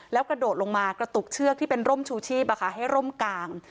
แล้วกระโดดลงมากระตุกเชือกที่เป็นร่มชูชีพให้ร่มกลาง